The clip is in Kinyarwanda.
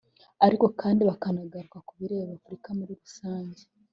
ariko kandi bakanagaruka ku bireba Afurika muri rusange